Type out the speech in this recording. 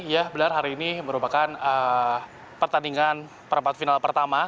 ya benar hari ini merupakan pertandingan perempat final pertama